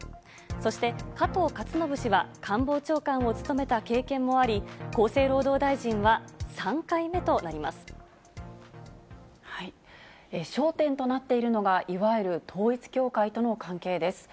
そして、加藤勝信氏は官房長官を務めた経験もあり、厚生労働大臣は３回目焦点となっているのが、いわゆる統一教会との関係です。